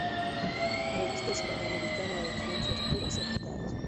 Revista hispano-americana de ciencias puras y aplicadas".